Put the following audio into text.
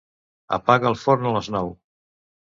Apaga el forn a les nou.